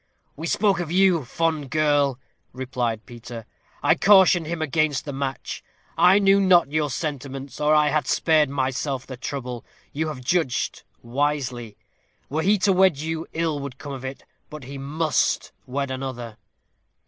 "We spoke of you, fond girl," replied Peter. "I cautioned him against the match. I knew not your sentiments, or I had spared myself the trouble. You have judged wisely. Were he to wed you, ill would come of it. But he must wed another."